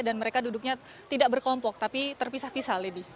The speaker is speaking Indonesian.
dan mereka duduknya tidak berkelompok tapi terpisah pisah lady